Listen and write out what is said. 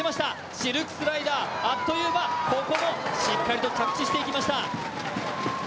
シルクスライダー、あっという間、ここもしっかりと着地していきました。